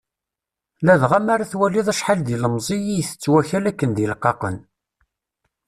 Ladɣa mi ara twaliḍ acḥal d ilemẓi i itett wakal akken d ileqqaqen.